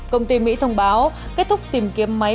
công ty mỹ thông báo kết thúc tìm kiếm máy